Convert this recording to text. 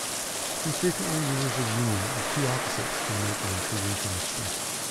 He frequently uses the union of two opposites to make an intriguing chemistry.